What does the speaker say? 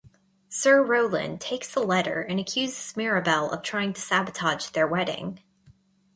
Sir Rowland takes the letter and accuses Mirabell of trying to sabotage their wedding.